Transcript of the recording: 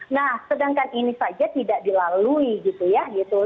nah sedangkan ini saja tidak dilalui gitu ya gitu